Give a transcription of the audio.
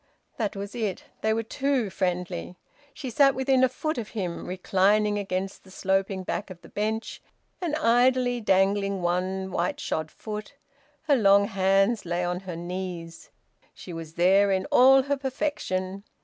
That was it: they were too friendly. She sat within a foot of him, reclining against the sloping back of the bench, and idly dangling one white shod foot; her long hands lay on her knees. She was there in all her perfection.